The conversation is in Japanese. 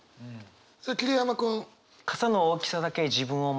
さあ桐山君。